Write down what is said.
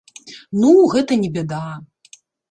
Ну, гэта не бяда!